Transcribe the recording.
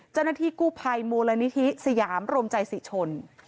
เจ้าหน้าที่กู้ภัยมูลนิธิสยามรวมใจศรีชน